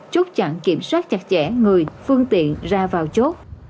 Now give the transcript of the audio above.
chốt chặn kiểm soát chặt chẽ người phương tiện ra vào chốt